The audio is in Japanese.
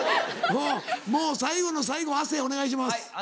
もう最後の最後亜生お願いします。